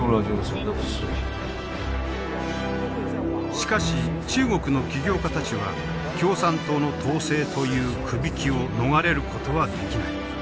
しかし中国の起業家たちは共産党の統制というくびきを逃れることはできない。